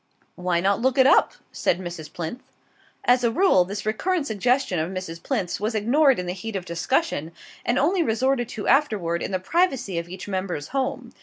"Why not look it up?" said Mrs. Plinth. As a rule this recurrent suggestion of Mrs. Plinth's was ignored in the heat of discussion, and only resorted to afterward in the privacy of each member's home.